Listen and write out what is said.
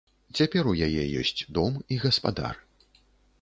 Цяпер у яе ёсць дом і гаспадар.